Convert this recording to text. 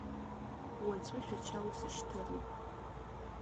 Уаҵәы Шәача усышьҭыроуп.